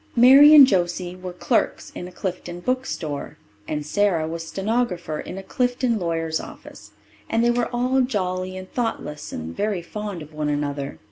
Mary and Josie were clerks in a Clifton bookstore, and Sara was stenographer in a Clifton lawyer's office. And they were all jolly and thoughtless and very fond of one another.